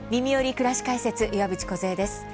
くらし解説」岩渕梢です。